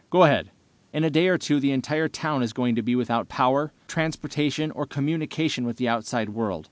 Go ahead." "In a day or two the entire town is going to be without power, transportation, or communication with the outside world.